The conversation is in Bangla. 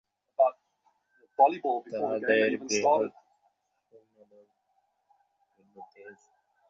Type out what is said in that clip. তাঁহাদের বৃহৎ সৈন্যদল নিকটবর্তী হইয়াছে, সংবাদ আসিয়াছে।